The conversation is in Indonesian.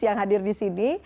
yang hadir disini